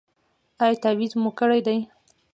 ایا تعویذ مو کړی دی؟